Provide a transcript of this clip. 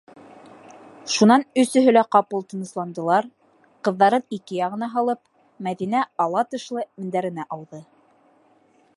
- Шунан өсөһө лә ҡапыл тынысландылар, ҡыҙҙарын ике яғына һалып, Мәҙинә ала тышлы мендәренә ауҙы.